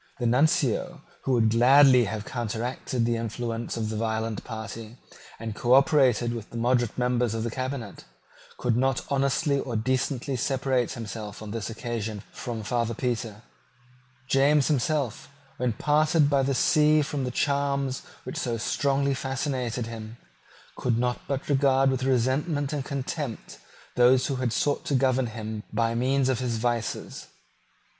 The Nuncio, who would gladly have counteracted the influence of the violent party, and cooperated with the moderate members of the cabinet, could not honestly or decently separate himself on this occasion from Father Petre. James himself, when parted by the sea from the charms which had so strongly fascinated him, could not but regard with resentment and contempt those who had sought to govern him by means of his vices.